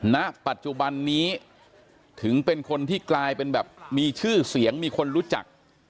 ณปัจจุบันนี้ถึงเป็นคนที่กลายเป็นแบบมีชื่อเสียงมีคนรู้จัก